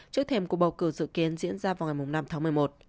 trước thêm cuộc bầu cử dự kiến diễn ra vào ngày năm tháng một mươi một